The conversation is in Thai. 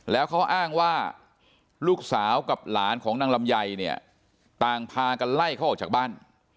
แล้วเขาอ้างว่าลูกสาวกับหลานของนางลำไยเนี่ยต่างพากันไล่เขาออกจากบ้าน